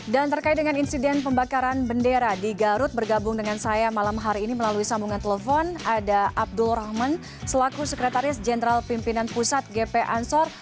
dan terkait dengan insiden pembakaran bendera di garut bergabung dengan saya malam hari ini melalui sambungan telepon ada abdul rahman selaku sekretaris jenderal pimpinan pusat gp ansor